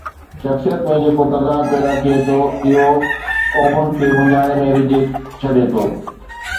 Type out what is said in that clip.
شخصيت ۾ جيڪو تضاد پيدا ٿئي ٿو اهو قومن کي مونجهاري ۾ وجهي ڇڏي ٿو.